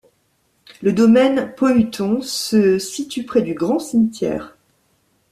Le domaine Poyeton se situe près du Grand-Cimetière.